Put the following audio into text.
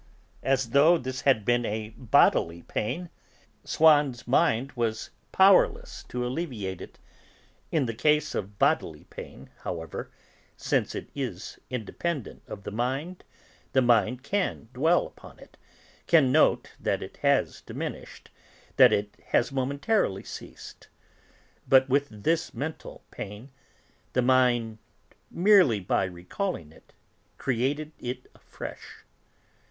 As though this had been a bodily pain, Swann's mind was powerless to alleviate it; in the case of bodily pain, however, since it is independent of the mind, the mind can dwell upon it, can note that it has diminished, that it has momentarily ceased. But with this mental pain, the mind, merely by recalling it, created it afresh.